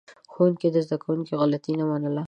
ښوونکي د زده کوونکو غلطي نه منله.